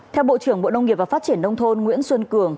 theo bộ trưởng bộ đông nghiệp và phát triển đông thôn nguyễn xuân cường